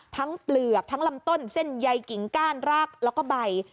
เปลือกทั้งลำต้นเส้นใยกิ่งก้านรากแล้วก็ใบ